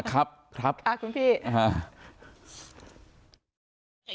ครับครับคุณพี่อ่า